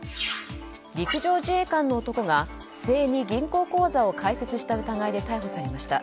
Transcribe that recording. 陸上自衛官の男が不正に銀行口座を開設した疑いで逮捕されました。